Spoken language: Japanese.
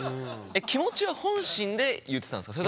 え気持ちは本心で言ってたんですか？